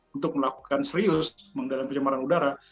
untuk melakukan serius mengendalikan penyembaran udara